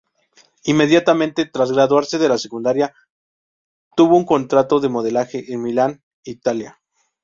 Inmediatamente, tras graduarse de la secundaria, tuvo un contrato de modelaje en Milán, Italia.